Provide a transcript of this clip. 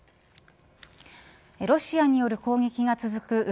ロシアによる攻撃が続く